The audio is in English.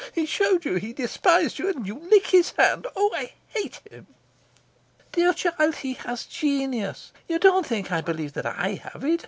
He showed that he despised you, and you lick his hand. Oh, I hate him." "Dear child, he has genius. You don't think I believe that I have it.